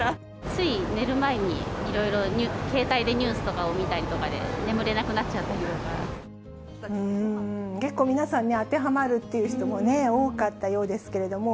つい、寝る前に、いろいろ携帯でニュースとかを見たりとかで、結構皆さんね、当てはまるという人も多かったようですけれども、